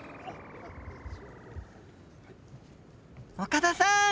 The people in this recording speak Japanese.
岡田さん！